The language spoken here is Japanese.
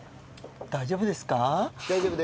大丈夫です。